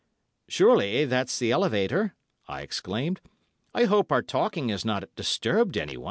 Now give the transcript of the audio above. "Surely, that's the elevator," I exclaimed. "I hope our talking has not disturbed anyone."